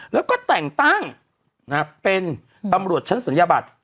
แล้วก็แต่งตั้งเป็นตำรวจชั้นศัลยบัตร